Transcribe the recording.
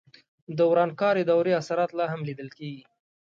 د ورانکارې دورې اثرات لا هم لیدل کېدل.